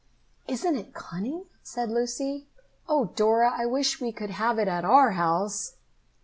"Isn't it cunning!" said Lucy. "Oh, Dora, I wish we could have it at our house."